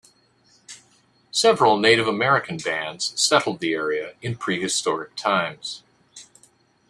Several Native American bands settled the area in prehistoric times.